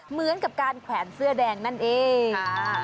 เหมือนกับการแขวนเสื้อแดงนั่นเอง